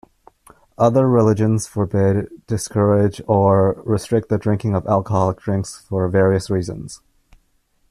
Other religions forbid, discourage, or restrict the drinking of alcoholic drinks for various reasons.